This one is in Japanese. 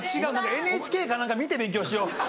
ＮＨＫか何か見て勉強しよう。